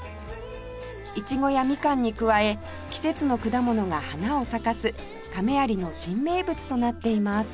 いちごやみかんに加え季節の果物が花を咲かす亀有の新名物となっています